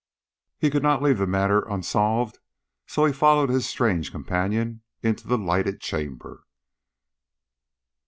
He could not leave the matter unsolved, so he followed his strange companion into the lighted chamber.